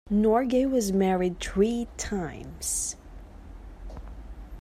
Norgay was married three times.